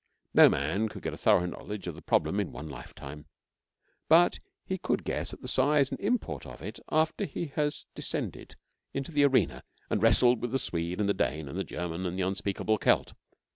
No man could get a thorough knowledge of the problem in one lifetime, but he could guess at the size and the import of it after he has descended into the arena and wrestled with the Swede and the Dane and the German and the unspeakable Celt.